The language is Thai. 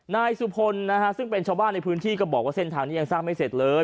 นายสุพลนะฮะซึ่งเป็นชาวบ้านในพื้นที่ก็บอกว่าเส้นทางนี้ยังสร้างไม่เสร็จเลย